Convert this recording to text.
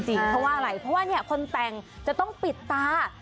เพราะว่าอะไรเพราะว่าคนแต่งจะต้องปิดตา